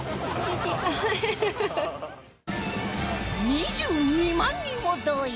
２２万人を動員！